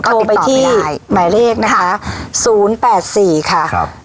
โทรไปที่หมายเลขนะคะ๐๘๔๒๙๒๔๒๔๙ค่ะ